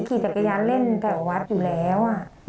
ขี่จักรยานเล่นกับวัดอยู่แล้ว